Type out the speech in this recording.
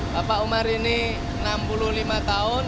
bapak umar ini enam puluh lima tahun